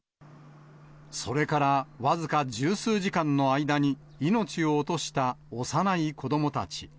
それから僅か十数時間の間に、命を落とした幼い子どもたち。